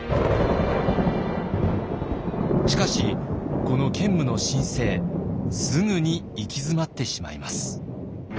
しかしこの建武の新政すぐに行き詰まってしまいます。